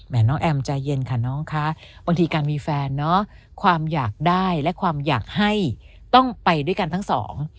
น้องแอมใจเย็นค่ะน้องคะบางทีการมีแฟนเนอะความอยากได้และความอยากให้ต้องไปด้วยกันทั้งสอง